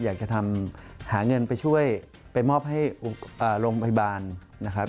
อยากจะทำหาเงินไปช่วยไปมอบให้โรงพยาบาลนะครับ